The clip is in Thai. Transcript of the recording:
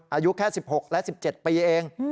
อายุแค่๑๖และ๑๗ปีเอง